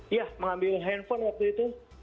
iya mengambil handphone waktu itu